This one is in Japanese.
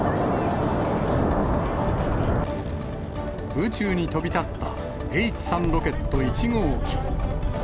宇宙に飛び立った、Ｈ３ロケット１号機。